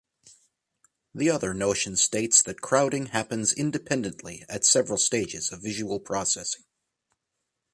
The other notion states that crowding happens independently at several stages of visual processing.